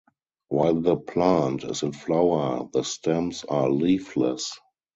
While the plant is in flower the stems are leafless.